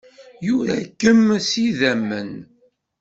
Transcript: Yura-kem s yidammen.